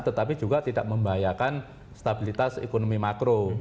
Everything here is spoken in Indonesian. tetapi juga tidak membahayakan stabilitas ekonomi makro